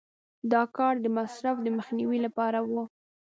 دا کار د مصرف د مخنیوي لپاره و.